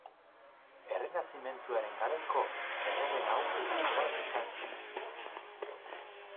Errenazimentuaren garaiko errege nagusietako bat izan zen.